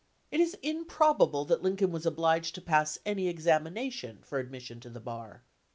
It is improbable that Lincoln was obliged to pass any examination for admission to the bar.